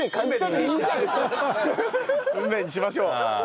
運命にしましょう。